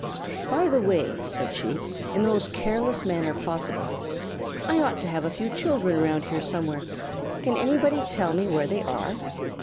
"By the way," said she, in the most careless manner possible, "I ought to have a few children round here somewhere. Can anybody tell me where they are?"